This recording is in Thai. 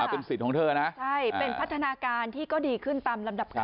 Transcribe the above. เป็นสิทธิ์ของเธอนะใช่เป็นพัฒนาการที่ก็ดีขึ้นตามลำดับการ